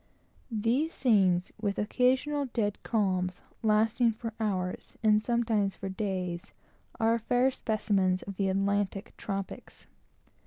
These scenes, with occasional dead calms, lasting for hours, and sometimes for days, are fair specimens of the Atlantic tropics.